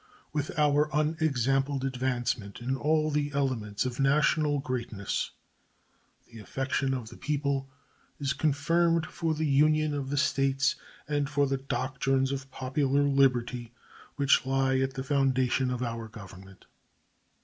With our unexampled advancement in all the elements of national greatness, the affection of the people is confirmed for the Union of the States and for the doctrines of popular liberty which lie at the foundation of our Government.